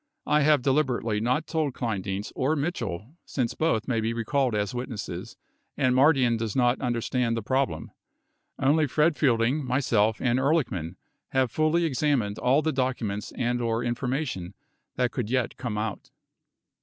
I have deliberately not told Kleindienst or Mitchell since both may be recalled as witnesses and Mardian does not understand the problem. Only Fred Fielding, myself, and Ehrlichman have fully examined all the documents and/ or information that could yet come out